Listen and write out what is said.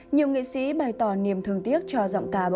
nhiều nghệ sĩ bày tỏ niềm thương